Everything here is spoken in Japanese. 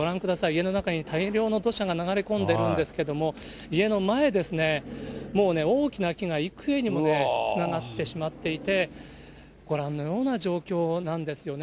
家の中に大量の土砂が流れ込んでるんですけれども、家の前ですね、もうね、大きな木が幾重にもつながってしまっていて、ご覧のような状況なんですよね。